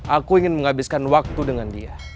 aku ingin menghabiskan waktu dengan dia